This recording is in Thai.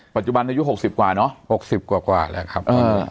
ปัจจุบันอายุหกสิบกว่าเนอะหกสิบกว่ากว่าแล้วครับ